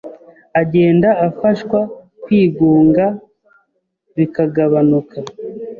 agenda afashwa kwigunga bikagabanuka